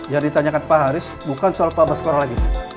yang ditanyakan pak haris bukan soal pak baskoro lagi